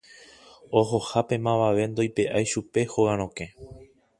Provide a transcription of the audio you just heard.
Ohohápe mavave ndoipe'ái chupe hóga rokẽ.